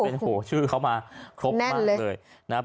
โอ้โหชื่อเขามาครบมากเลยนะครับ